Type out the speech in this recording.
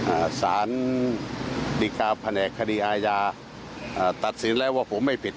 อ่าสารดีกาแผนกคดีอาญาอ่าตัดสินแล้วว่าผมไม่ผิด